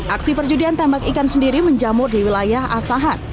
aksi perjudian tembak ikan sendiri menjamur di wilayah asahan